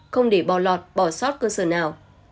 không để bò lọt bỏ sót cơ sở nào